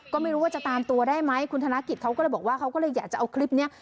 ก็ไม่รู้ว่าจะตามตัวได้ไหมคุณธนกิจเขาก็เลยบอกว่าเขาก็เลยอยากจะเอาคลิปนี้